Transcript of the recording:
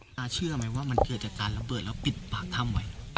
เชื่อไหมว่ามันเกิดจากการระเบิดแล้วปิดปากถ้ำไว้